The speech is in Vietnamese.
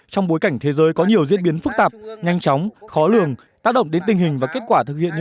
trong bối cảnh thế giới có nhiều diễn biến phức tạp nhanh chóng khó lường tác động đến tình hình